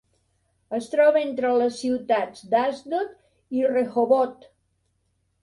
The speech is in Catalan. Es troba entre les ciutats d'Asdod i Rehovot.